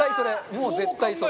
もう絶対それ。